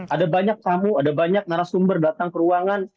ada banyak tamu ada banyak narasumber datang ke ruangan